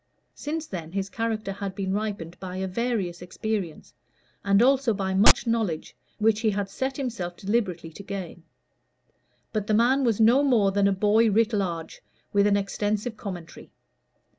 Since then his character had been ripened by a various experience, and also by much knowledge which he had set himself deliberately to gain. But the man was no more than the boy writ large, with an extensive commentary.